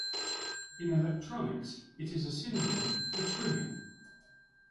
In electronics, it is a synonym for trimming.